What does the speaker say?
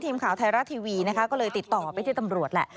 ทีมข่าวไทยรัฐทีวีนะคะก็เลยติดต่อไปที่ตำรวจแหละ